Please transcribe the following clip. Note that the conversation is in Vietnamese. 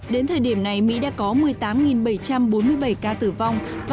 đến thời điểm này mỹ đã có một mươi tám bảy trăm bốn mươi bảy ca tử vong và năm trăm linh hai